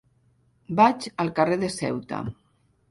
Vaig al carrer de Ceuta.